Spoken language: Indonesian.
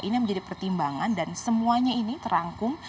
ini menjadi pertimbangan dan semuanya ini terangkum